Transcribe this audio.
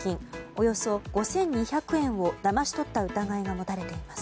およそ５２００円をだまし取った疑いが持たれています。